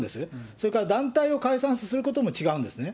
それから、団体を解散することも違うんですね。